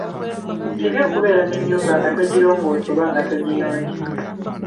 Kibi okubeera n'ennyumba nga togirongoosa oba nga togiyonja.